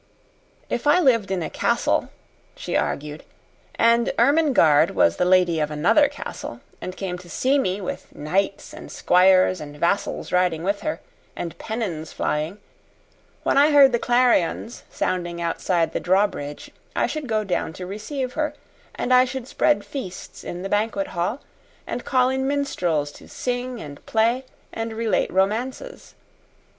"If I lived in a castle," she argued, "and Ermengarde was the lady of another castle, and came to see me, with knights and squires and vassals riding with her, and pennons flying, when I heard the clarions sounding outside the drawbridge I should go down to receive her, and I should spread feasts in the banquet hall and call in minstrels to sing and play and relate romances.